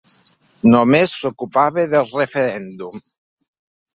Només s’ocupava del referèndum.